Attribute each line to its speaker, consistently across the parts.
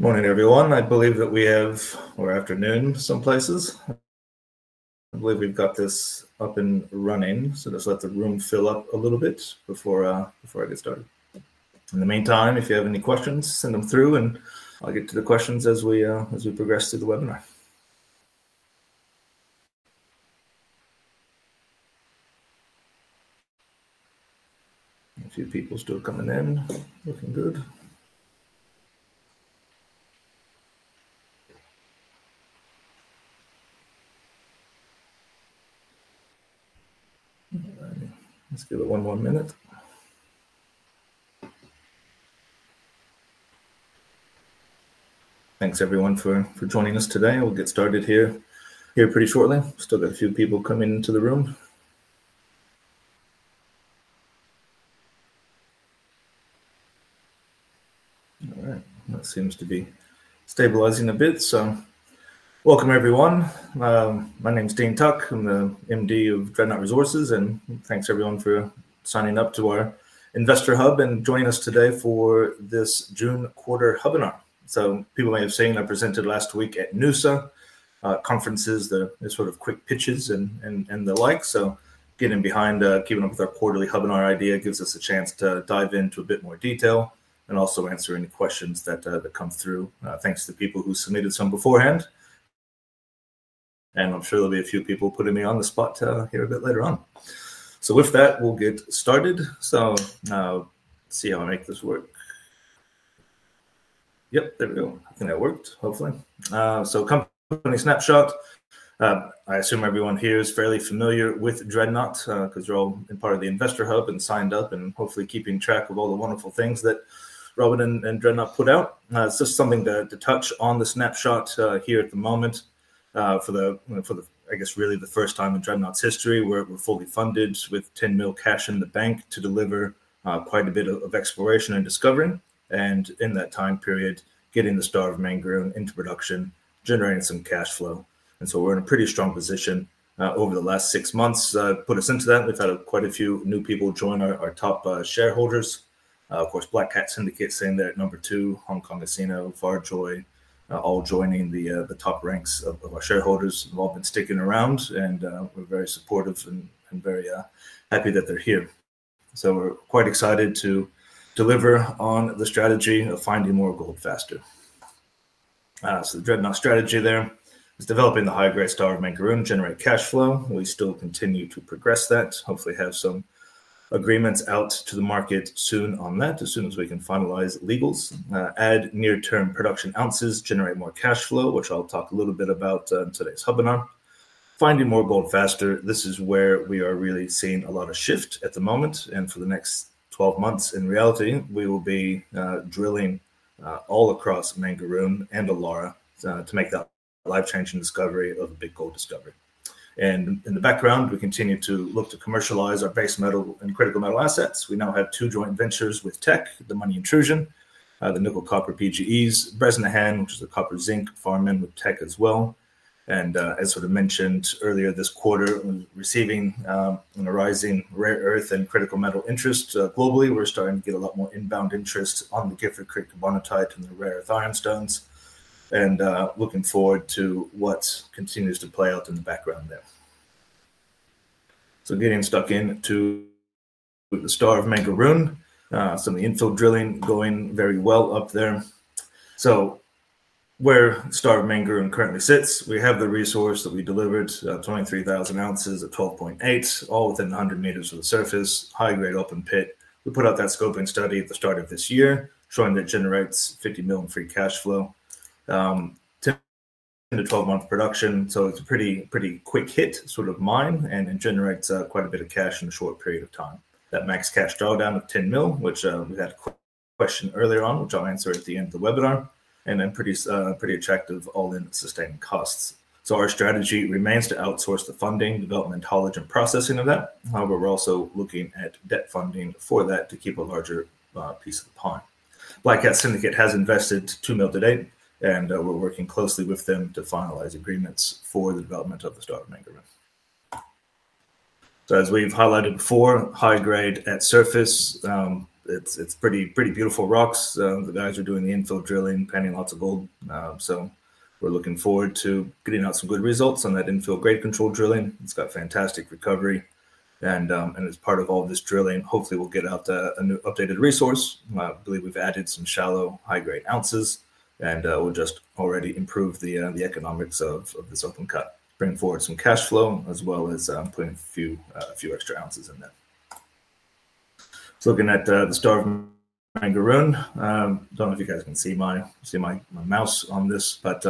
Speaker 1: Morning, everyone. I believe that we have, or afternoon some places. I believe we've got this up and running, so let's let the room fill up a little bit before I get started. In the meantime, if you have any questions, send them through and I'll get to the questions as we progress through the webinar. A few people still coming in. Looking good. Let's give it one more minute. Thanks, everyone, for joining us today. We'll get started here pretty shortly. Still got a few people coming into the room. All right, that seems to be stabilizing a bit. Welcome, everyone. My name's Dean Tuck. I'm the MD of Dreadnought Resources, and thanks everyone for signing up to our investor hub and joining us today for this June quarter webinar. People may have seen I presented last week at NUSA conferences, the sort of quick pitches and the like. Getting behind, keeping up with our quarterly webinar idea gives us a chance to dive into a bit more detail and also answer any questions that come through. Thanks to the people who submitted some beforehand. I'm sure there'll be a few people putting me on the spot here a bit later on. With that, we'll get started. Now see how I make this work. Yep, there we go. I think that worked, hopefully. Company snapshot. I assume everyone here is fairly familiar with Dreadnought because you're all part of the investor hub and signed up and hopefully keeping track of all the wonderful things that Robin and Dreadnought put out. It's just something to touch on the snapshot here at the moment. For the, I guess, really the first time in Dreadnought's history, we're fully funded with $10 million cash in the bank to deliver quite a bit of exploration and discovery. In that time period, getting the Star of Mangaroon into production, generating some cash flow. We're in a pretty strong position over the last six months. Put us into that. We've had quite a few new people join our top shareholders. Of course, Black Cat Syndicate is sitting there at number two, Hong Kong Casino, Farjoy, all joining the top ranks of our shareholders. Involvement's ticking around and we're very supportive and very happy that they're here. We're quite excited to deliver on the strategy of finding more gold faster. The Dreadnought strategy there is developing the high-grade Star of Mangaroon to generate cash flow. We still continue to progress that. Hopefully have some agreements out to the market soon on that, as soon as we can finalize legals. Add near-term production ounces, generate more cash flow, which I'll talk a little bit about in today's webinar. Finding more gold faster, this is where we are really seeing a lot of shift at the moment. For the next 12 months, in reality, we will be drilling all across Mangaroon and Alara to make that live tangent discovery of a big gold discovery. In the background, we continue to look to commercialize our base metal and critical metal assets. We now have two joint ventures with Teck, the Money Intrusion, the nickel copper PGEs, Bresnahan, which is a copper zinc farm-in with Teck as well. As sort of mentioned earlier this quarter, receiving and arising rare earth and critical metal interests globally, we're starting to get a lot more inbound interest on the Gifford Creek Gabbronorite and the Yen Rare Earth Ironstone Complex. Looking forward to what continues to play out in the background there. Getting stuck in to the Star of Mangaroon. Some of the infill drilling going very well up there. Where Star of Mangaroon currently sits, we have the resource that we delivered, 23,000 ounces at 12.8, all within 100 m of the surface, high-grade open pit. We put out that scope and study at the start of this year, showing that it generates $50 million in free cash flow in the 12-month production. It's a pretty quick hit sort of mine and it generates quite a bit of cash in a short period of time. That max cash drawdown of $10 million, which we had a question earlier on, which I'll answer at the end of the webinar, and then pretty attractive all-in sustaining costs. Our strategy remains to outsource the funding, development, knowledge, and processing of that. However, we're also looking at debt funding for that to keep a larger piece of the pie. Black Cat Syndicate has invested $2 million to date, and we're working closely with them to finalize agreements for the development of the Star of Mangaroon. As we've highlighted before, high grade at surface, it's pretty beautiful rocks. The guys are doing the infill drilling, panning lots of gold. We're looking forward to getting out some good results on that infill grade control drilling. It's got fantastic recovery. As part of all of this drilling, hopefully we'll get out an updated resource. I believe we've added some shallow high-grade ounces, and it will just already improve the economics of this open cut. Bring forward some cash flow as well as putting a few extra ounces in there. Looking at the Star of Mangaroon, I don't know if you guys can see my mouse on this, but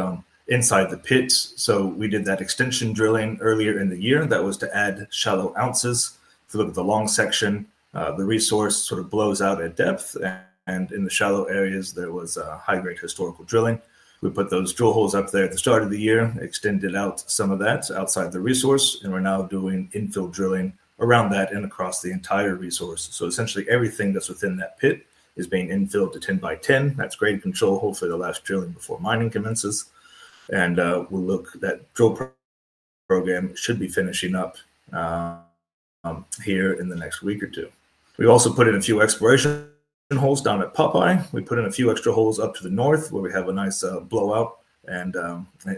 Speaker 1: inside the pits, we did that extension drilling earlier in the year that was to add shallow ounces. If you look at the long section, the resource sort of blows out at depth, and in the shallow areas, there was a high-grade historical drilling. We put those drill holes up there at the start of the year, extended out some of that outside the resource, and we're now doing infill drilling around that and across the entire resource. Essentially, everything that's within that pit is being infilled to 10 by 10. That's grade control hole for the last drilling before mining commences. We'll look at that drill program. It should be finishing up here in the next week or two. We also put in a few exploration holes down at Popeye. We put in a few extra holes up to the north where we have a nice blowout and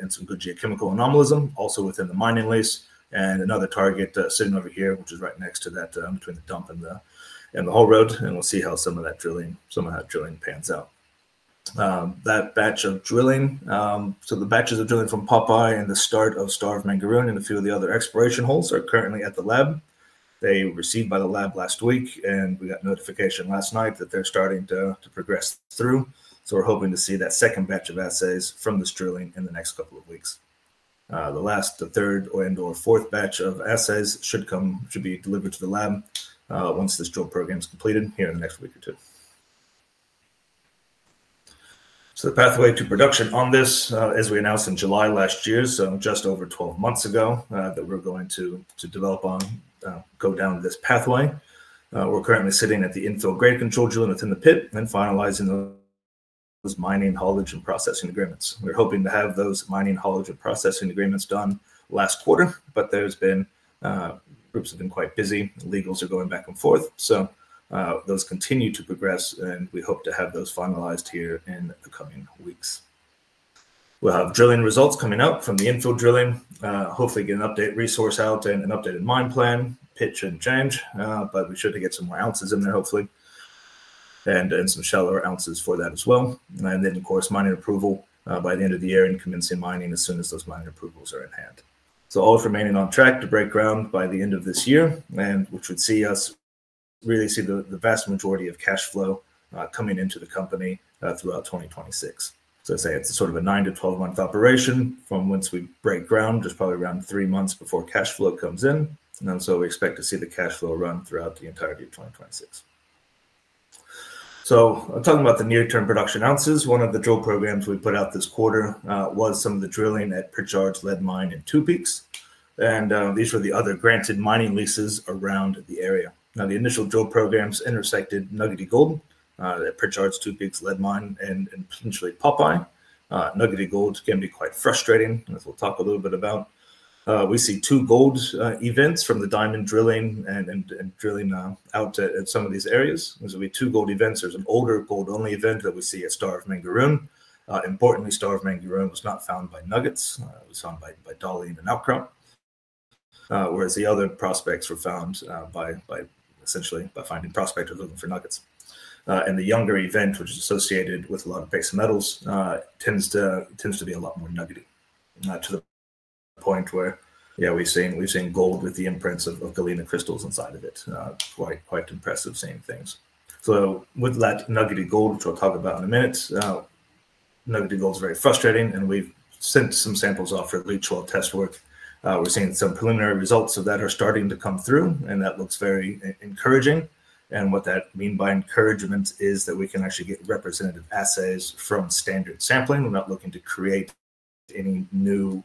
Speaker 1: some good geochemical anomalism also within the mining lease. Another target is sitting over here, which is right next to that between the dump and the hall road. We'll see how some of that drilling pans out. That batch of drilling, so the batches of drilling from Popeye and the start of Star of Mangaroon and a few of the other exploration holes, are currently at the lab. They were received by the lab last week, and we got notification last night that they're starting to progress through. We're hoping to see that second batch of assays from this drilling in the next couple of weeks. The last, the third, and/or fourth batch of assays should be delivered to the lab once this drill program's completed here in the next week or two. The pathway to production on this, as we announced in July last year, just over 12 months ago, is that we're going to develop on, go down this pathway. We're currently sitting at the infill grade control drilling that's in the pit and then finalizing those mining knowledge and processing agreements. We were hoping to have those mining knowledge and processing agreements done last quarter, but there have been groups that have been quite busy. Legals are going back and forth. Those continue to progress, and we hope to have those finalized here in the coming weeks. We'll have drilling results coming out from the infill drilling, hopefully get an updated resource out and an updated mine plan, pitch and change, but we should get some more ounces in there, hopefully, and some shallower ounces for that as well. Mining approval is expected by the end of the year, with mining commencing as soon as those mining approvals are in hand. Everything is remaining on track to break ground by the end of this year, and we should see the vast majority of cash flow coming into the company throughout 2026. It's sort of a 9 to 12 month operation from once we break ground, probably around three months before cash flow comes in. We expect to see the cash flow run throughout the entirety of 2026. I'm talking about the near-term production ounces. One of the drill programs we put out this quarter was some of the drilling at Pritchard's Lead Mine and Tube Peaks. These were the other granted mining leases around the area. The initial drill programs intersected nuggety gold at Pritchard's, Tube Peaks, Lead Mine, and potentially Popeye. Nuggety gold can be quite frustrating, as we'll talk a little bit about. We see two gold events from the diamond drilling and drilling out at some of these areas. There are going to be two gold events. There's an older gold-only event that we see at Star of Mangaroon. Importantly, Star of Mangaroon was not found by nuggets. It was found by Dolly and Anokra, whereas the other prospects were found essentially by finding prospects or looking for nuggets. The younger event, which is associated with a lot of base and metals, tends to be a lot more nuggety to the point where we're seeing gold with the imprints of galena crystals inside of it. Quite impressive seeing things. With that nuggety gold, which I'll talk about in a minute, nuggety gold is very frustrating, and we've sent some samples off for at least short test work. We're seeing some preliminary results of that starting to come through, and that looks very encouraging. What that means by encouragement is that we can actually get representative assays from standard sampling. We're not looking to create any new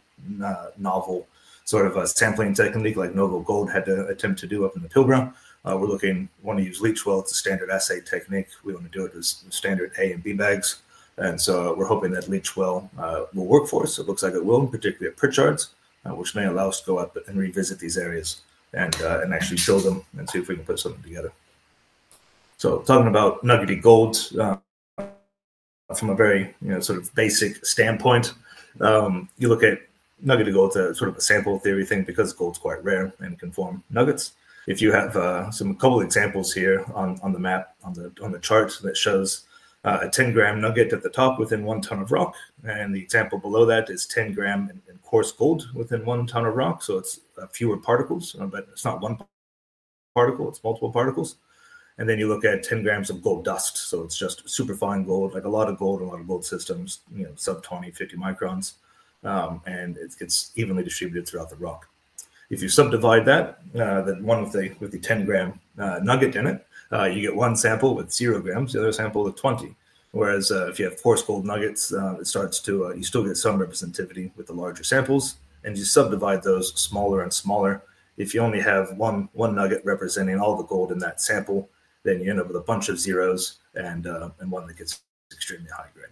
Speaker 1: novel sort of sampling technique like Nobel Gold had to attempt to do up in the kiln ground. We want to use Leachwell. It's a standard assay technique. We want to do it with standard A and B mags. We're hoping that Leachwell will work for us. It looks like it will, in particular at Pritchard's, which may allow us to go up and revisit these areas and actually show them and see if we can put something together. Talking about nuggety gold from a very sort of basic standpoint, you look at nuggety gold as sort of a sample theory thing because gold's quite rare and can form nuggets. If you have some cool examples here on the map, on the chart that shows a 10 gram nugget at the top within one ton of rock, and the example below that is 10 gram and coarse gold within one ton of rock. It's fewer particles, but it's not one particle. It's multiple particles. You look at 10 grams of gold dust, so it's just super fine gold, like a lot of gold in a lot of gold systems, you know, some 20, 50 microns, and it gets evenly distributed throughout the rock. If you subdivide that, then one of the 10 gram nuggets in it, you get one sample with zero grams, the other sample with 20. If you have coarse gold nuggets, you still get some representativity with the larger samples, and you subdivide those smaller and smaller. If you only have one nugget representing all the gold in that sample, you end up with a bunch of zeros and one that gets extremely high grade.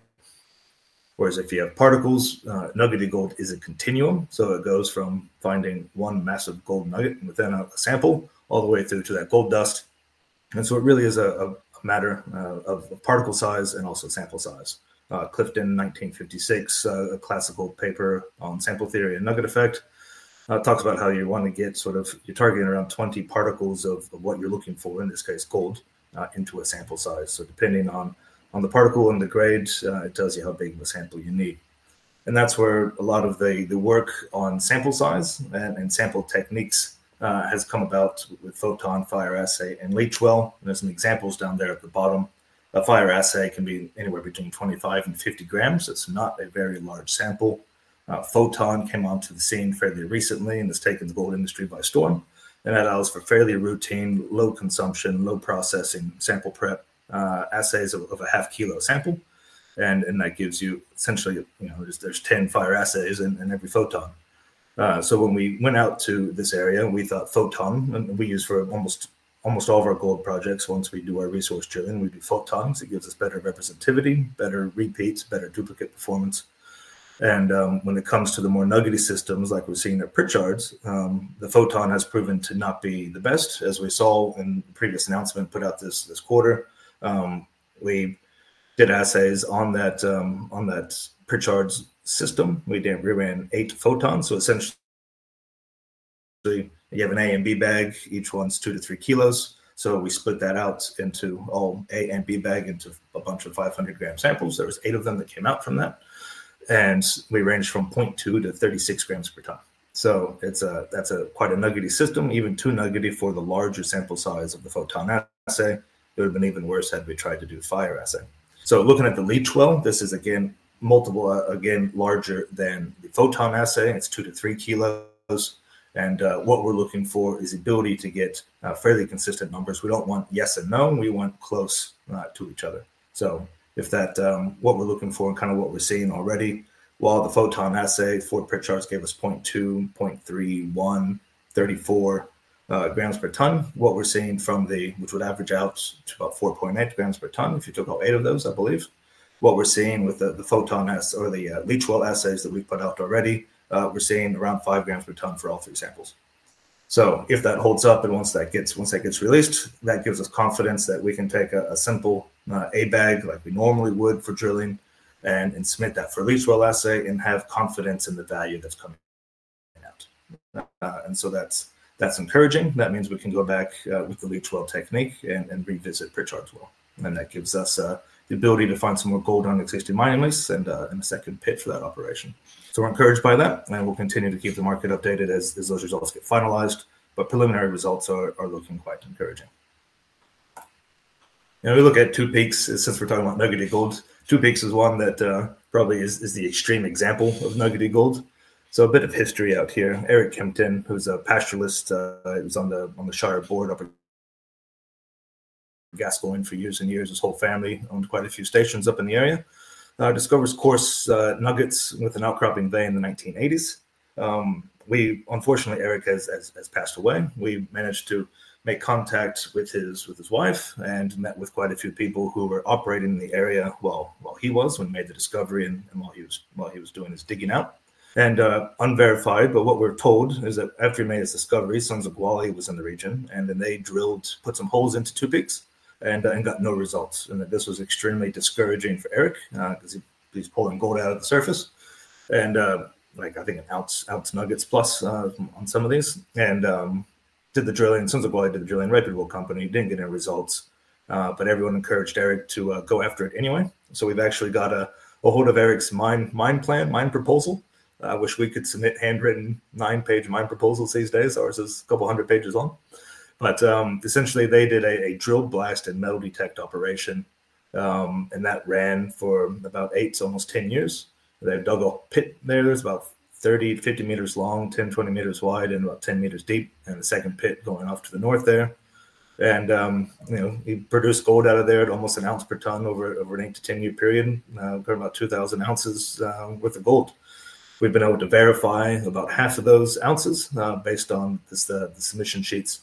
Speaker 1: If you have particles, nuggety gold is a continuum. It goes from finding one massive gold nugget within a sample all the way through to that gold dust. It really is a matter of particle size and also sample size. Clifton, in 1956, a classical paper on sample theory and nugget effect, talks about how you want to get sort of, you're targeting around 20 particles of what you're looking for, in this case, gold, into a sample size. Depending on the particle and the grade, it tells you how big of a sample you need. That's where a lot of the work on sample size and sample techniques has come about with Photon, Fire Assay, and Leachwell. There are some examples down there at the bottom. A Fire Assay can be anywhere between 25 and 50 grams. It's not a very large sample. Photon came onto the scene fairly recently and has taken the gold industry by storm. That allows for fairly routine, low consumption, low processing sample prep assays of a half kilo sample. That gives you essentially, you know, there's 10 Fire Assays in every Photon. When we went out to this area, we thought Photon, we use for almost all of our gold projects. Once we do our resource drilling, we do Photons. It gives us better representativity, better repeats, better duplicate performance. When it comes to the more nuggety systems, like we're seeing at Pritchard's, the Photon has proven to not be the best. As we saw in the previous announcement put out this quarter, we did assays on that Pritchard's system. We ran eight Photons. Essentially, you have an A and B bag. Each one's two to three kilos. We split that out into all A and B bag into a bunch of 500 gram samples. There were eight of them that came out from that. We ranged from 0.2 to 36 grams per ton. That's quite a nuggety system, even too nuggety for the larger sample size of the Photon assay. It would have been even worse had we tried to do Fire Assay. Looking at the Leachwell, this is again multiple, again larger than the Photon assay. It's two to three kilos. What we're looking for is the ability to get fairly consistent numbers. We don't want yes and no. We want close to each other. If that's what we're looking for and kind of what we're seeing already, while the Photon assay for Pritchard's gave us 0.2, 0.3, 1, 34 grams per ton, what we're seeing from the, which would average out to about 4.8 grams per ton, if you took all eight of those, I believe, what we're seeing with the Photon assay or the Leachwell assays that we've put out already, we're seeing around five grams per ton for all three samples. If that holds up and once that gets released, that gives us confidence that we can take a simple A bag like we normally would for drilling and submit that for a Leachwell assay and have confidence in the value that's coming out. That's encouraging. That means we can go back with the Leachwell technique and revisit Pritchard's Well. That gives us the ability to find some more gold on existing mining leases and in a second pit for that operation. We're encouraged by that. We'll continue to keep the market updated as those results get finalized. Preliminary results are looking quite encouraging. We look at Tube Peaks. Since we're talking about nuggety gold, Tube Peaks is one that probably is the extreme example of nuggety gold. A bit of history out here. Eric Kempton, who's a pastoralist, is on the Shire board up in Gascoyne for years and years. His whole family owned quite a few stations up in the area. Discovers coarse nuggets with an outcropping bay in the 1980s. Unfortunately, Eric has passed away. We managed to make contact with his wife and met with quite a few people who were operating in the area while he was and made the discovery while he was doing his digging out. Unverified, but what we're told is that after he made his discovery, Sons of Wally was in the region and then they drilled, put some holes into Tube Peaks and got no results. This was extremely discouraging for Eric because he's pulling gold out of the surface, and like I think an ounce nuggets plus on some of these. Sons of Wally did the drilling. Rapid World Company didn't get any results. Everyone encouraged Eric to go after it anyway. We've actually got a hold of Eric's mine plan, mine proposal, which we could submit handwritten nine-page mine proposals these days. Ours is a couple hundred pages long. Essentially, they did a drill blast and no detect operation, and that ran for about eight to almost 10 years. They dug a pit there. It was about 30 to 50 m long, 10, 20 m wide, and about 10 m deep, and the second pit going off to the north there. He produced gold out of there at almost an ounce per ton over an eight to 10-year period. We're at about 2,000 ounces worth of gold. We've been able to verify about half of those ounces based on the submission sheets.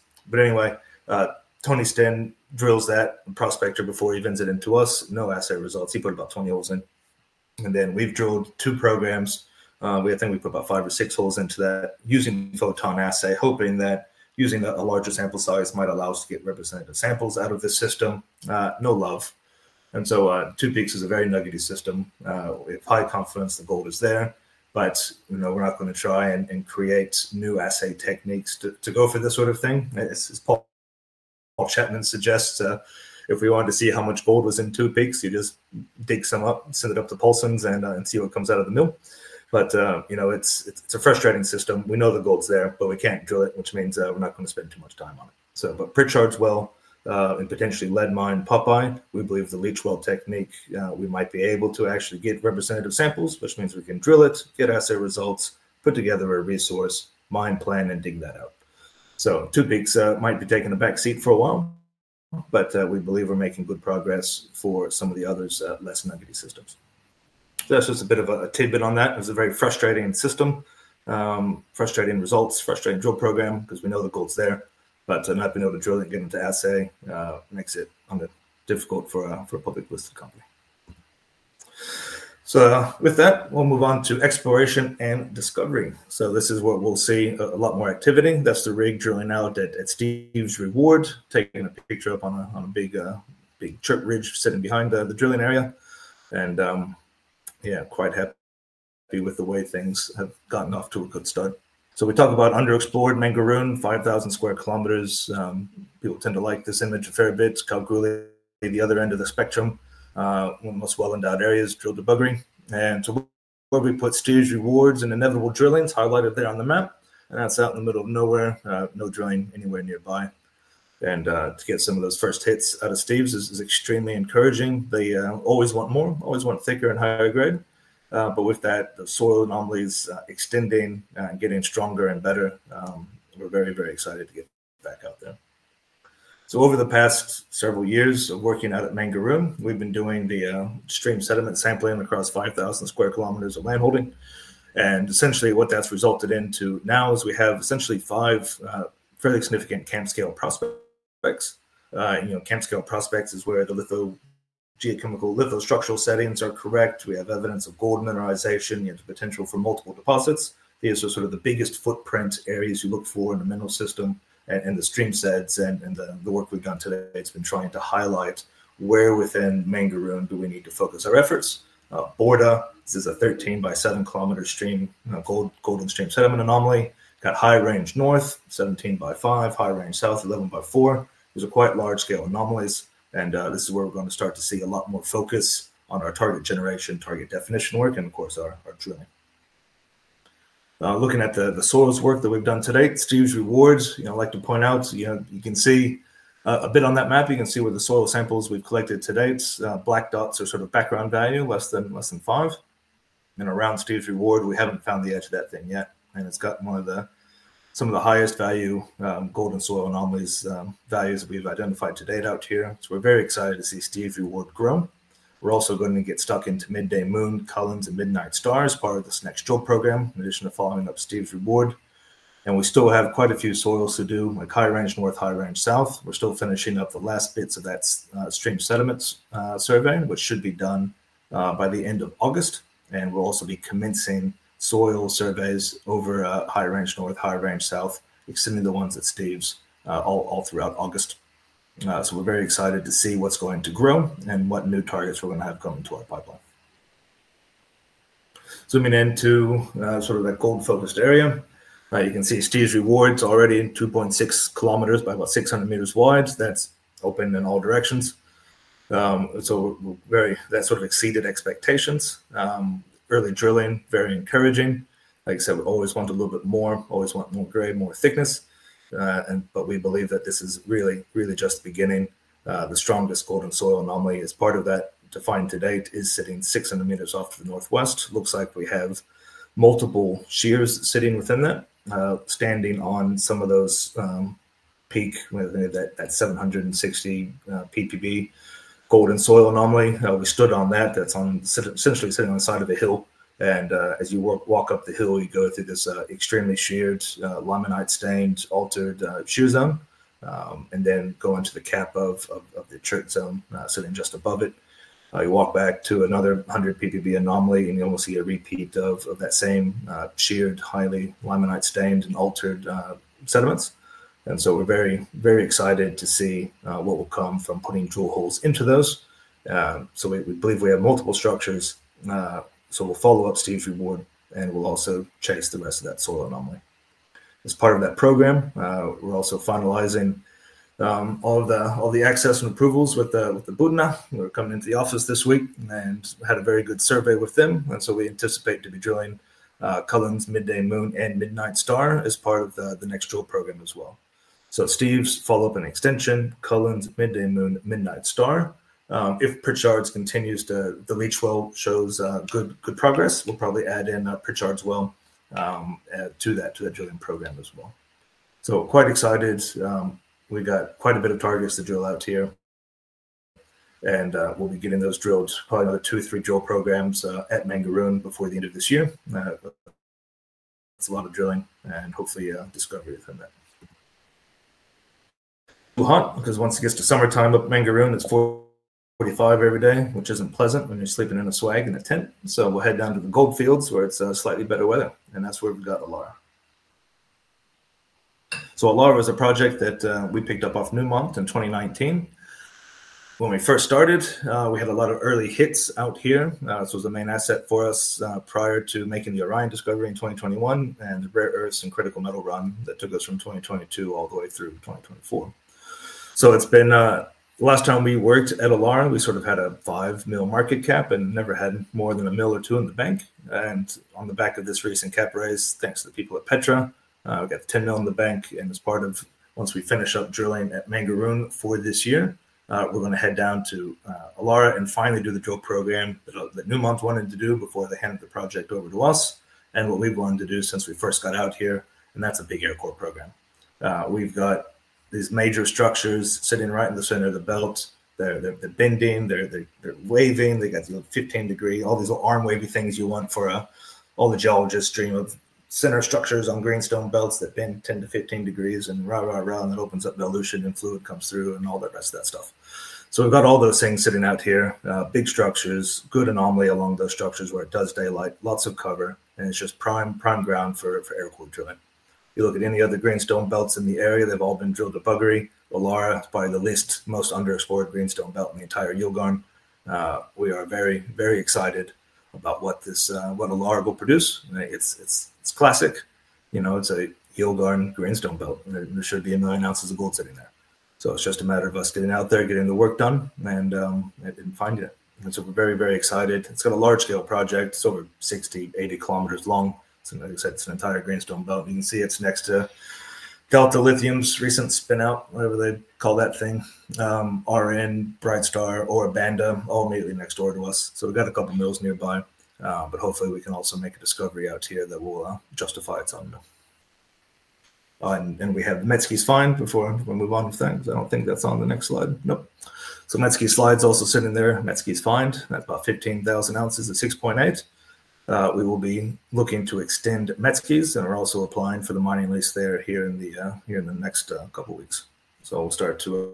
Speaker 1: Tony Sten drills that prospector before he vents it into us. No assay results. He put about 20 holes in. We've drilled two programs. I think we put about five or six holes into that using the photon assay, hoping that using a larger sample size might allow us to get representative samples out of this system. No love. Tube Peaks is a very nuggety system. It's high confidence the gold is there, but we're not going to try and create new assay techniques to go for this sort of thing. As Paul Shatman suggests, if we wanted to see how much gold was in Tube Peaks, you just dig some up, send it up to Paulsons and see what comes out of the mill. It's a frustrating system. We know the gold's there, but we can't drill it, which means we're not going to spend too much time on it. Pritchard's Well and potentially Lead Mine, Popeye, we believe the Leachwell technique, we might be able to actually get representative samples, which means we can drill it, get assay results, put together a resource, mine plan, and dig that out. Tube Peaks might be taking a back seat for a while. But we believe we're making good progress for some of the other less nuggety systems. That's just a bit of a tidbit on that. It was a very frustrating system. Frustrating results, frustrating drill program because we know the gold's there, but not being able to drill it and get it into assay makes it difficult for a public listed company. With that, we'll move on to exploration and discovery. This is what we'll see, a lot more activity. That's the rig drilling out at Steve's Rewards, taking a picture up on a big trip ridge sitting behind the drilling area. Yeah, quite happy with the way things have gotten off to a good start. We talk about underexplored Mangaroon, 5,000 km2. People tend to like this image a fair bit. Kalgoorlie at the other end of the spectrum. One of the most well-endowed areas is Pilbara Buggery. To look where we put Steve's Rewards and Inevitable Drillings highlighted there on the map, that's out in the middle of nowhere, no drilling anywhere nearby. To get some of those first hits out of Steve's is extremely encouraging. They always want more, always want thicker and higher grade. With that, the soil anomalies extending and getting stronger and better, we're very, very excited to get back out there. Over the past several years of working out at Mangaroon, we've been doing the extreme sediment sampling across 5,000 km2 of landholding. Essentially what that's resulted into now is we have essentially five fairly significant camp scale prospects. Camp scale prospects is where the geochemical lithostructural settings are correct. We have evidence of gold mineralization. You have the potential for multiple deposits. These are sort of the biggest footprint areas you look for in the mineral system and the stream sets. The work we've done today has been trying to highlight where within Mangaroon do we need to focus our efforts. Border, this is a 13 by 7 km stream, golden stream sediment anomaly. Got High Range North, 17 by 5, High Range South, 11 by 4. These are quite large scale anomalies. This is where we're going to start to see a lot more focus on our target generation, target definition work, and of course our drilling. Looking at the soils work that we've done to date, Steve's Rewards, I'd like to point out, you can see a bit on that map. You can see where the soil samples we've collected to date. Black dots are sort of background value, less than five. Around Steve's Reward, we haven't found the edge of that thing yet, and it's got some of the highest value golden soil anomalies values that we've identified to date out here. We're very excited to see Steve's Reward grow. We're also going to get stuck into Midday, Moon, Collins, and Midnight Star as part of this next drill program in addition to following up Steve's Reward. We still have quite a few soils to do, like High Range North, High Range South. We're still finishing up the last bits of that stream sediment survey, which should be done by the end of August. We'll also be commencing soil surveys over High Range North, High Range South, extending the ones at Steve's all throughout August. We're very excited to see what's going to grow and what new targets we're going to have come into our pipeline. Zooming into that gold-filled area, you can see Steve's Reward is already in 2.6 km by about 600 m wide. That's open in all directions, so that sort of exceeded expectations. Early drilling, very encouraging. Like I said, we always want a little bit more, always want more grade, more thickness, but we believe that this is really, really just the beginning. The strongest golden soil anomaly defined to date is sitting 600 m off to the northwest. Looks like we have multiple shears sitting within that, standing on some of those peak that 760 PPB golden soil anomaly. We stood on that. That's essentially sitting on the side of a hill, and as you walk up the hill, you go through this extremely sheared limonite-stained, altered shear zone and then go into the cap of the chert zone sitting just above it. You walk back to another 100 PPB anomaly and you almost see a repeat of that same sheared, highly limonite-stained and altered sediments. We're very, very excited to see what will come from putting drill holes into those. We believe we have multiple structures, so we'll follow up Steve's Reward and we'll also chase the rest of that soil anomaly. As part of that program, we're also finalizing all of the access and approvals with the Buddner. We're coming into the office this week and had a very good survey with them. We anticipate drilling Collins, Midday, Moon, and Midnight Star as part of the next drill program as well. Steve's follow-up and extension, Collins, Midday, Moon, and Midnight Star. If Pritchard’s continues to, the Leachwell shows good progress, we'll probably add in Pritchard’s Well to that drilling program as well. Quite excited. We've got quite a bit of targets to drill out here, and we'll be getting those drilled, probably another two or three drill programs at Mangaroon before the end of this year. That's a lot of drilling and hopefully discovery within that. Hot because once it gets to summertime up at Mangaroon, it's 45 every day, which isn't pleasant when you're sleeping in a swag in a tent. We'll head down to the gold fields where it's slightly better weather. That's where we've got Alara. Alara was a project that we picked up off Newmont in 2019. When we first started, we had a lot of early hits out here. This was the main asset for us prior to making the Orion discovery in 2021 and the rare earths and critical metal run that took us from 2022 all the way through 2024. The last time we worked at Alara, we sort of had a $5 million market cap and never had more than $1 million or $2 million in the bank. On the back of this recent cap raise, thanks to the people at Petra, we got $10 million in the bank. As part of once we finish up drilling at Mangaroon for this year, we're going to head down to Alara and finally do the drill program that Newmont wanted to do before they handed the project over to us. We'll leave one to do since we first got out here, and that's a big aircore program. We've got these major structures sitting right in the center of the belt. They're bending, they're waving, they've got the 15 degree, all these little arm wavy things you want for all the geologists dream of center structures on greenstone belts that bend 10 to 15 degrees and rah, rah, rah, and then opens up the illusion and fluid comes through and all that rest of that stuff. We've got all those things sitting out here. Big structures, good anomaly along those structures where it does daylight, lots of cover, and it's just prime, prime ground for aircore drilling. You look at any other greenstone belts in the area, they've all been drilled at Buggery. Alara is probably the least most underexplored greenstone belt in the entire Yilgarn. We are very, very excited about what Alara will produce. It's classic. You know, it's a Yilgarn greenstone belt. There should be a million ounces of gold sitting there. It's just a matter of us getting out there, getting the work done, and they didn't find it. We're very, very excited. It's got a large-scale project. It's over 60, 80 km long. Like I said, it's an entire greenstone belt. You can see it's next to Delta Lithium's recent spin-out, whatever they call that thing. RN, BrightStar, Ora Banda, all immediately next door to us. We've got a couple of mills nearby. Hopefully we can also make a discovery out here that will justify its own mill. We have the Metzger Find before we move on to things. I don't think that's on the next slide. Nope. Metzger Find is also sitting there. Metzger Find, that's about 15,000 ounces at 6.8. We will be looking to extend Metzger and are also applying for the mining lease there here in the next couple of weeks. We'll start to. The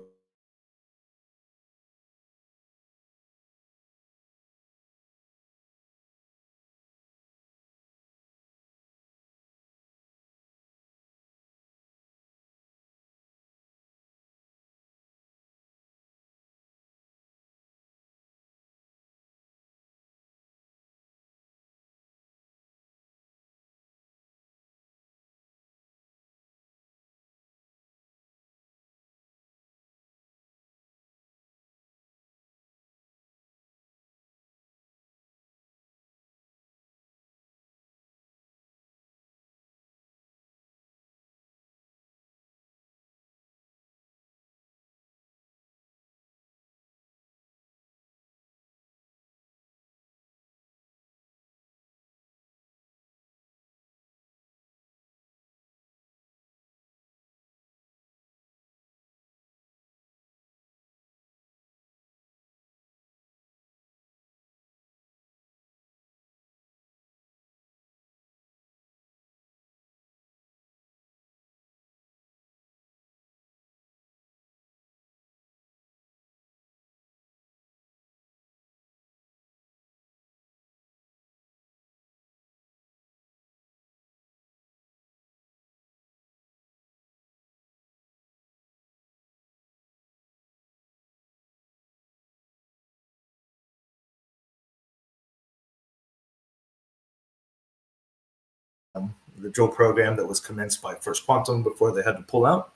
Speaker 1: drill program that was commenced by First Quantum before they had to pull out.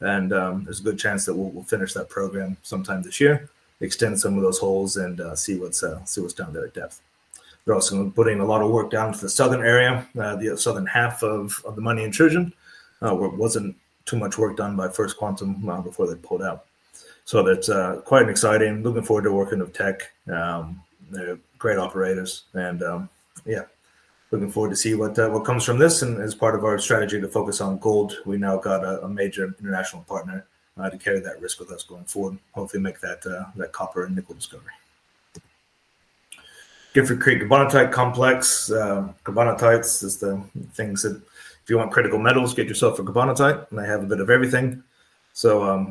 Speaker 1: There's a good chance that we'll finish that program sometime this year, extend some of those holes and see what's down there at depth. They're also putting a lot of work down to the southern area, the southern half of the Money Intrusion, where it wasn't too much work done by First Quantum before they pulled out. That's quite exciting, looking forward to working with Teck. They're great operators. Looking forward to seeing what comes from this. As part of our strategy to focus on gold, we now got a major international partner to carry that risk with us going forward. Hopefully make that copper and nickel discovery. Gifford Creek Gabbronorite Complex. Gabbronorites, just the things that if you want critical metals, get yourself a Gabbronorite. They have a bit of everything.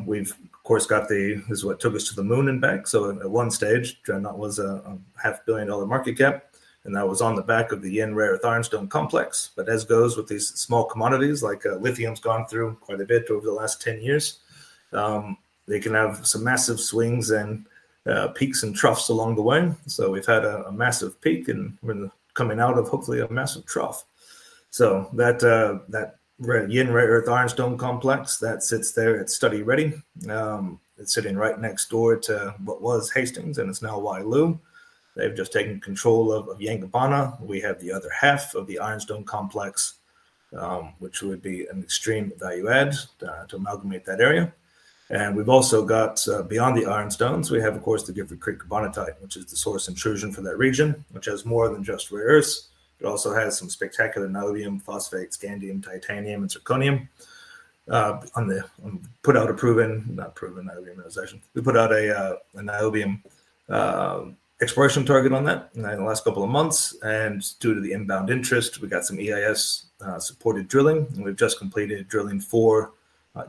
Speaker 1: We've, of course, got the, this is what took us to the moon and back. At one stage, and that was a half billion dollar market cap. That was on the back of the Yen Rare Earth Ironstone Complex. As goes with these small commodities, like lithium's gone through quite a bit over the last 10 years, they can have some massive swings and peaks and troughs along the way. We've had a massive peak and we're coming out of hopefully a massive trough. That Yen Rare Earth Ironstone Complex, that sits there at study ready. It's sitting right next door to what was Hastings and it's now Wyloo. They've just taken control of Yangibana. We have the other half of the Ironstone Complex, which would be an extreme value add to amalgamate that area. We've also got beyond the Ironstones, we have, of course, the Gifford Creek Gabbronorite, which is the source intrusion for that region, which has more than just rare earths. It also has some spectacular niobium, phosphate, scandium, titanium, and zirconium. We put out a proven, not proven, niobium mineralization. We put out a niobium exploration target on that in the last couple of months. Due to the inbound interest, we got some EIS-supported drilling. We've just completed drilling four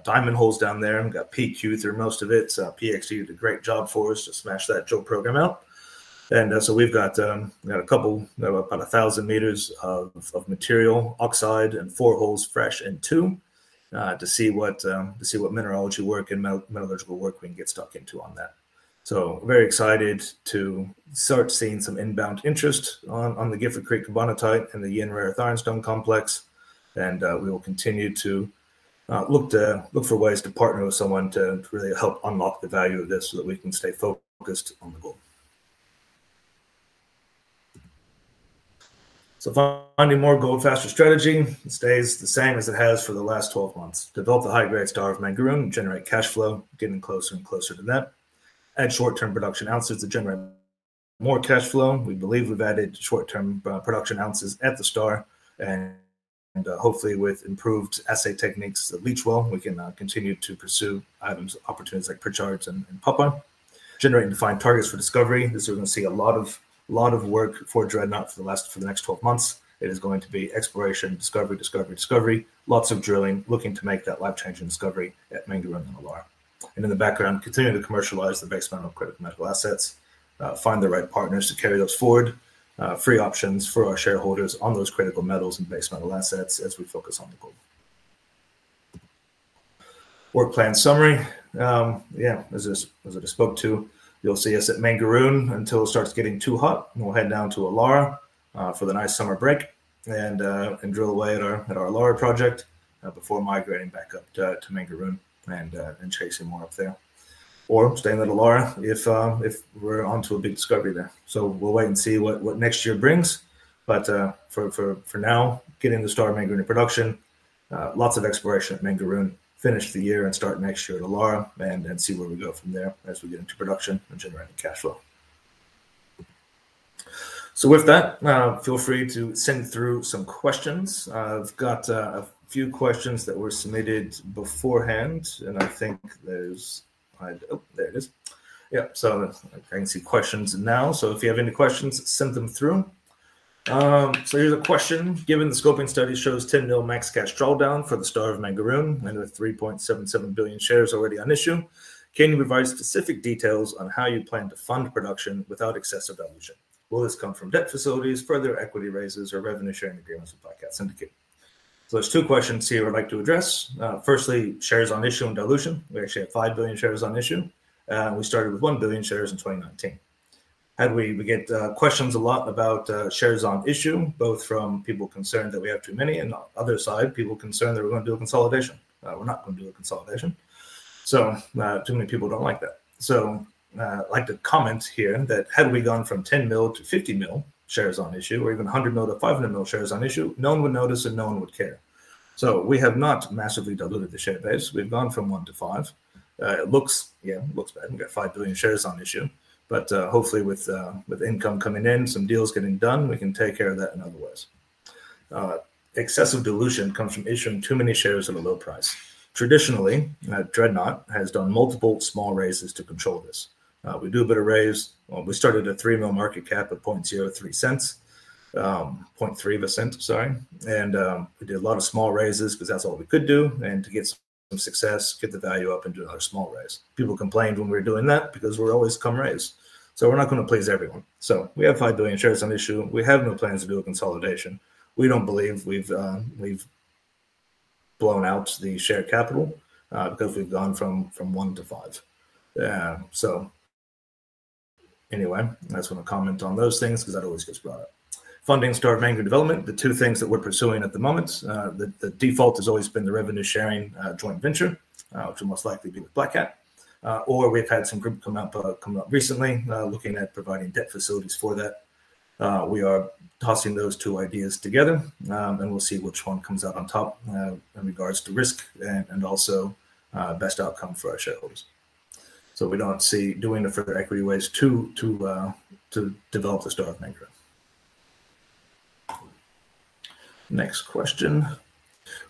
Speaker 1: diamond holes down there, and we got PQ through most of it. PXQ did a great job for us to smash that drill program out. We've got about 1,000 m of material, oxide in four holes, fresh in two, to see what mineralogy work and metallurgical work we can get stuck into on that. Very excited to start seeing some inbound interest on the Gifford Creek Gabbronorite and the Yen Rare Earth Ironstone Complex. We will continue to look for ways to partner with someone to really help unlock the value of this so that we can stay focused on the gold. Finding more gold faster strategy stays the same as it has for the last 12 months. Develop the high-grade Star of Mangaroon and generate cash flow, getting closer and closer to that. Add short-term production ounces to generate more cash flow. We believe we've added short-term production ounces at the Star. Hopefully, with improved assay techniques at Leachwell, we can continue to pursue items, opportunities like Pritchard’s and Popeye. Generating defined targets for discovery, this is where we're going to see a lot of work for Dreadnought for the next 12 months. It is going to be exploration, discovery, discovery, discovery, lots of drilling, looking to make that life-changing discovery at Mangaroon and Alara. In the background, continue to commercialize the base metal and critical metal assets. Find the right partners to carry those forward. Free options for our shareholders on those critical metals and base metal assets as we focus on the gold. Work plan summary. As I just spoke to, you'll see us at Mangaroon until it starts getting too hot. We'll head down to Alara for the nice summer break and drill away at our Alara project before migrating back up to Mangaroon and chasing Mark there, or staying at Alara if we're onto a big discovery there. We'll wait and see what next year brings. For now, get into Star of Mangaroon in production. Lots of exploration at Mangaroon. Finish the year and start next year at Alara and then see where we go from there as we get into production and generate cash flow. With that, feel free to send through some questions. I've got a few questions that were submitted beforehand and I think there's, oh, there it is. Yeah, I can see questions now. If you have any questions, send them through. Here's a question. Given the scoping study shows $10 million max cash drawdown for the Star of Mangaroon and with 3.77 billion shares already on issue, can you provide specific details on how you plan to fund production without excessive dilution? Will this come from debt facilities, further equity raises, or revenue-sharing agreements with Black Cat Syndicate? There are two questions here I'd like to address. Firstly, shares on issue and dilution. We actually have 5 billion shares on issue. We started with 1 billion shares in 2019. We get questions a lot about shares on issue, both from people concerned that we have too many and the other side, people concerned that we're going to do a consolidation. We're not going to do a consolidation. Too many people don't like that. I'd like to comment here that had we gone from 10 million to 50 million shares on issue or even 100 million to 500 million shares on issue, no one would notice and no one would care. We have not massively diluted the share base. We've gone from one to five. It looks, yeah, looks bad. We've got 5 billion shares on issue. Hopefully with income coming in, some deals getting done, we can take care of that in other ways. Excessive dilution comes from issuing too many shares at a low price. Traditionally, Dreadnought has done multiple small raises to control this. We do a bit of raise. We started at a $3 million market cap of $0.0003, $0.0003, sorry. We did a lot of small raises because that's all we could do. To get some success, get the value up and do a lot of small raises. People complained when we were doing that because we're always come raise. We're not going to please everyone. We have 5 billion shares on issue. We have no plans to do a consolidation. We don't believe we've blown out the share capital because we've gone from one to five. I just want to comment on those things because that always gets brought up. Funding Star of Mangaroon development, the two things that we're pursuing at the moment, the default has always been the revenue-sharing joint venture, which will most likely be with Black Cat Syndicate. We've had some group come up recently looking at providing debt facilities for that. We are tossing those two ideas together and we'll see which one comes out on top in regards to risk and also best outcome for our shareholders. We don't see doing a further equity raise to develop the Star of Mangaroon. Next question.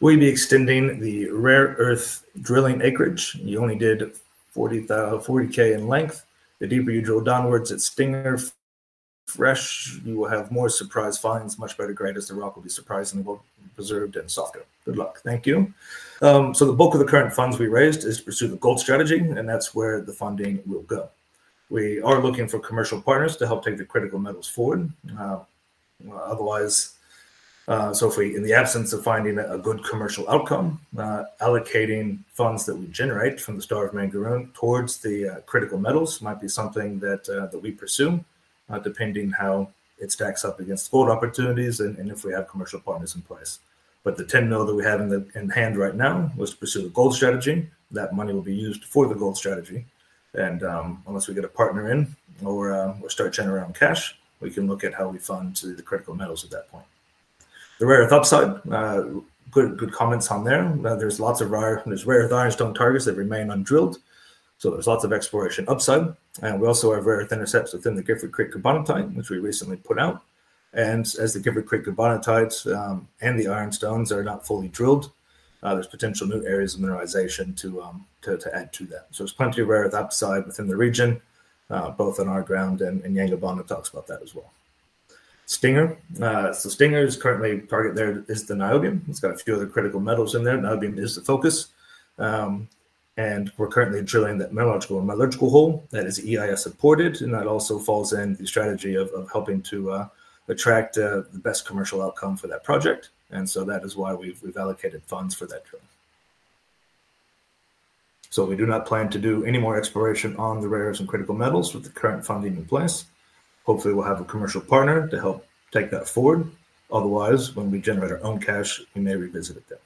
Speaker 1: Will you be extending the rare earth drilling acreage? You only did 40K in length. The deeper you drill downwards, it's finger fresh. You will have more surprise finds, much better grade. The rock will be surprisingly well preserved and softer. Good luck. Thank you. The bulk of the current funds we raised is to pursue the gold strategy and that's where the funding will go. We are looking for commercial partners to help take the critical metals forward. Otherwise, if we, in the absence of finding a good commercial outcome, allocating funds that we generate from the Star of Mangaroon towards the critical metals might be something that we pursue, depending on how it stacks up against gold opportunities and if we have commercial partners in place. The $10 million that we have in hand right now was to pursue the gold strategy. That money will be used for the gold strategy. Unless we get a partner in or start churning around cash, we can look at how we fund the critical metals at that point. The rare earth upside, good comments on there. There's lots of rare earth ironstone targets that remain undrilled. There's lots of exploration upside. We also have rare earth intercepts within the Gifford Creek Gabbronorite, which we recently put out. As the Gifford Creek Gabbronorites and the ironstones are not fully drilled, there's potential new areas of mineralization to add to that. There's plenty of rare earth upside within the region, both on our ground and Yangabana talks about that as well. Stinger, so Stinger's current target there is the niobium. It's got a few other critical metals in there. Niobium is the focus. We're currently drilling that metallurgical and malurgical hole that is EIS supported. That also falls in the strategy of helping to attract the best commercial outcome for that project. That is why we've allocated funds for that drill. We do not plan to do any more exploration on the rare earth and critical metals with the current funding in place. Hopefully, we'll have a commercial partner to help take that forward. Otherwise, when we generate our own cash, we may revisit it then.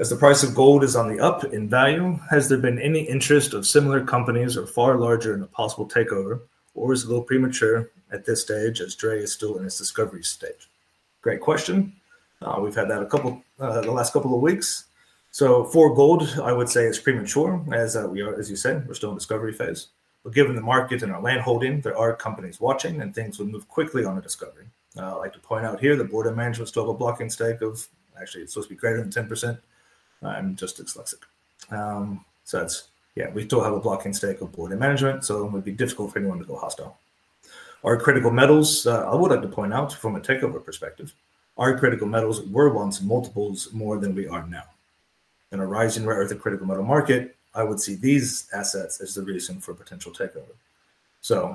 Speaker 1: As the price of gold is on the up in value, has there been any interest of similar companies or far larger in a possible takeover? Or is it a little premature at this stage as DRE is still in its discovery stage? Great question. We've had that a couple of the last couple of weeks. For gold, I would say it's premature as we are, as you said, we're still in the discovery phase. Given the market and our landholding, there are companies watching and things would move quickly on a discovery. I'd like to point out here that board and management still have a blocking stake of actually it's supposed to be greater than 10%. I'm just dyslexic. It's, yeah, we still have a blocking stake of board and management. It would be difficult for anyone to go hostile. Our critical metals, I would like to point out from a takeover perspective, our critical metals were once multiples more than we are now. In a rising rare earth and critical metal market, I would see these assets as the reason for potential takeover.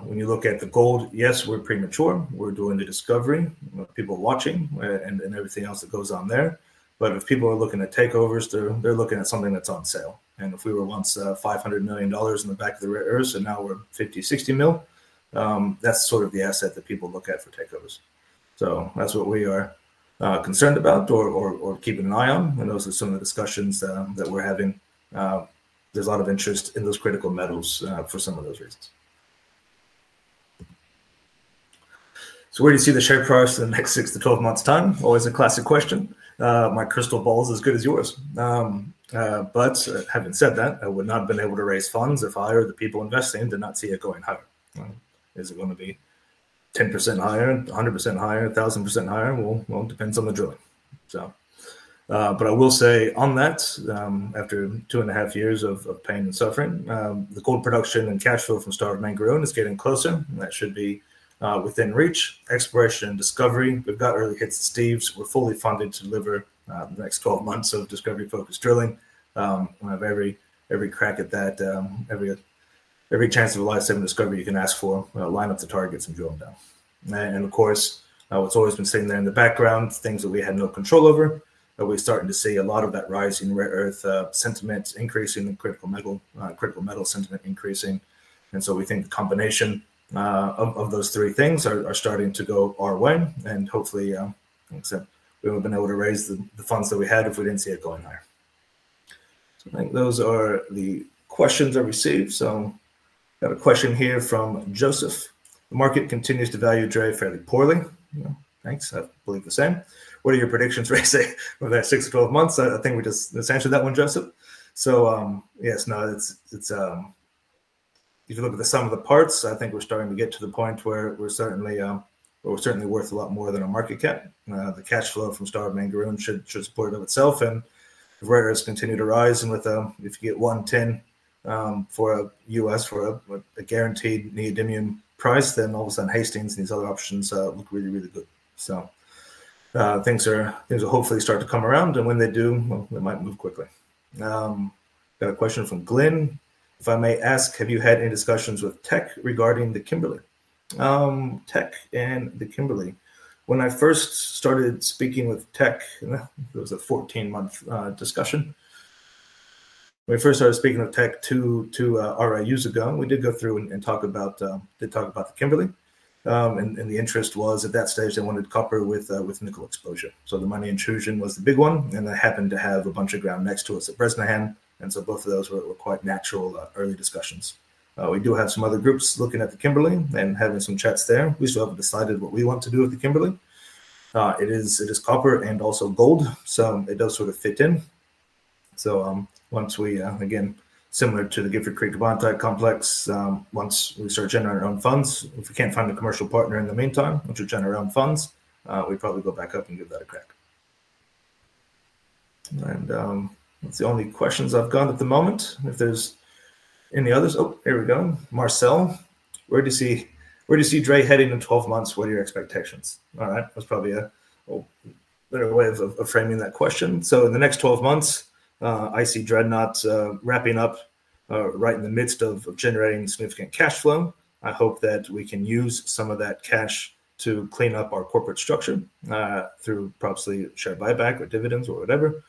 Speaker 1: When you look at the gold, yes, we're premature. We're doing the discovery. People are watching and everything else that goes on there. If people are looking at takeovers, they're looking at something that's on sale. If we were once $500 million in the back of the rare earth and now we're $50 million, $60 million, that's sort of the asset that people look at for takeovers. That's what we are concerned about or keeping an eye on. Those are some of the discussions that we're having. There's a lot of interest in those critical metals for some of those reasons. Where do you see the share price in the next 6 to 12 months' time? Always a classic question. My crystal ball's as good as yours. Having said that, I would not have been able to raise funds if I or the people investing did not see it going higher. Is it going to be 10% higher, 100% higher, 1,000% higher? It depends on the drilling. I will say on that, after two and a half years of pain and suffering, the gold production and cash flow from Star of Mangaroon is getting closer. That should be within reach. Exploration, discovery, we've got early hits of Steves. We're fully funded to deliver the next 12 months of discovery-focused drilling. Every crack at that, every chance of a lifetime discovery you can ask for, line up the targets and drill them down. Of course, what's always been sitting there in the background, things that we had no control over, we're starting to see a lot of that rising rare earth sentiment increasing, the critical metal sentiment increasing. We think the combination of those three things are starting to go our way. Hopefully, like I said, we would have been able to raise the funds that we had if we didn't see it going higher. I think those are the questions I received. I got a question here from Joseph. The market continues to value DRE fairly poorly. Thanks. I believe the same. What are your predictions for the next 6 to 12 months? I think we just answered that one, Joseph. Yes, now if you look at the sum of the parts, I think we're starting to get to the point where we're certainly worth a lot more than a market cap. The cash flow from Star of Mangaroon should support it of itself. Rare earths continue to rise. If you get one tin for a US for a guaranteed neodymium price, then all of a sudden Hastings and these other options look really, really good. Things will hopefully start to come around. When they do, they might move quickly. I got a question from Glynn. If I may ask, have you had any discussions with Teck regarding the Kimberley? Teck and the Kimberley. When I first started speaking with Teck, it was a 14-month discussion. When I first started speaking with Teck two RIUs ago, we did go through and talk about the Kimberley. The interest was at that stage they wanted copper with nickel exposure. The Money Intrusion was the big one. I happened to have a bunch of ground next to us at Pritchard’s Well. Both of those were quite natural early discussions. We do have some other groups looking at the Kimberley and having some chats there. We still haven't decided what we want to do with the Kimberley. It is copper and also gold. It does sort of fit in. Once we, again, similar to the Gifford Creek Gabbronorite complex, once we start generating our own funds, if we can't find a commercial partner in the meantime, once we generate our own funds, we'd probably go back up and give that a crack. That's the only questions I've got at the moment. If there's any others, oh, here we go. Marcel, where do you see DRE heading in 12 months? What are your expectations? All right, that's probably a little way of framing that question. In the next 12 months, I see Dreadnought wrapping up right in the midst of generating significant cash flow. I hope that we can use some of that cash to clean up our corporate structure through probably share buyback or dividends or whatever.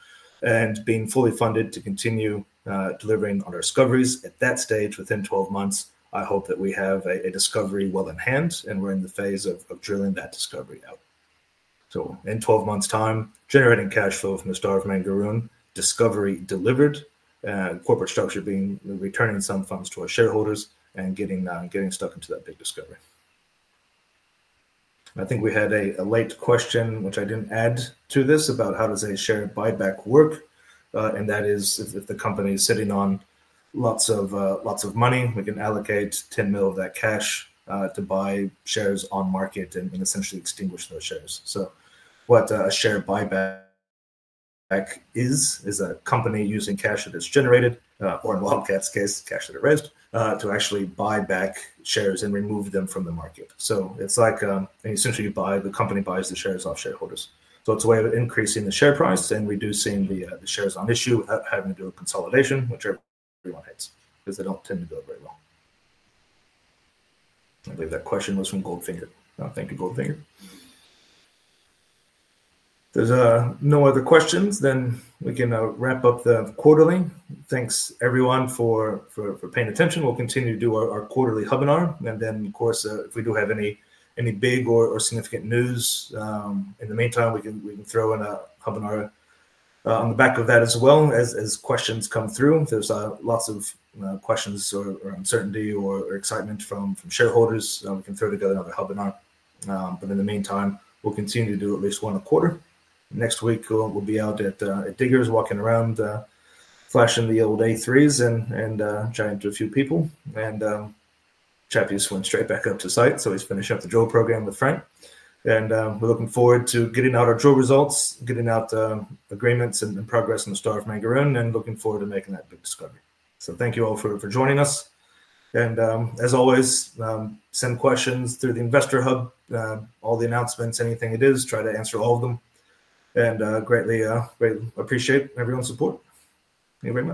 Speaker 1: Being fully funded to continue delivering on our discoveries at that stage within 12 months, I hope that we have a discovery well in hand and we're in the phase of drilling that discovery out. In 12 months' time, generating cash flow from the Star of Mangaroon, discovery delivered, corporate structure being returning some funds to our shareholders and getting stuck into that big discovery. I think we had a late question, which I didn't add to this, about how does a share buyback work? That is if the company is sitting on lots of money, we can allocate $10 million of that cash to buy shares on market and essentially extinguish those shares. What a share buyback is, is a company using cash that it's generated, or in Lomcat's case, cash that it raised, to actually buy back shares and remove them from the market. It's like, and essentially you buy, the company buys the shares off shareholders. It's a way of increasing the share price and reducing the shares on issue, having to do a consolidation, which everyone hates because they don't tend to do it very well. I believe that question was from Goldfinger. Thank you, Goldfinger. There's no other questions. We can wrap up the quarterly. Thanks everyone for paying attention. We'll continue to do our quarterly webinar. Of course, if we do have any big or significant news, in the meantime, we can throw in a webinar on the back of that as well as questions come through. If there's lots of questions or uncertainty or excitement from shareholders, we can throw together another webinar. In the meantime, we'll continue to do at least one a quarter. Next week, we'll be out at Diggers, walking around, flashing the old A3s and giant to a few people. Chappi's went straight back up to site, so he's finished up the drill program with Frank. We're looking forward to getting out our drill results, getting out the agreements and progress in the Star of Mangaroon, and looking forward to making that big discovery. Thank you all for joining us. As always, send questions through the Investor Hub. All the announcements, anything it is, try to answer all of them. Greatly, greatly appreciate everyone's support. Anyway, my.